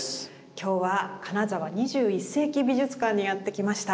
今日は金沢２１世紀美術館にやって来ました。